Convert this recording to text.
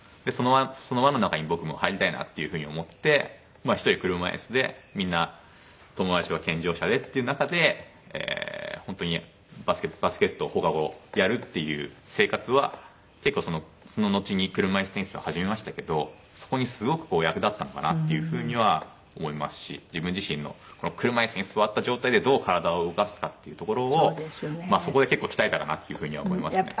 その輪の中に僕も入りたいなっていう風に思って１人車いすでみんな友達は健常者でっていう中で本当にバスケットを放課後やるっていう生活は結構そののちに車いすテニスを始めましたけどそこにすごく役立ったのかなっていう風には思いますし自分自身の車いすに座った状態でどう体を動かすかっていうところをそこで結構鍛えたかなっていう風には思いますね。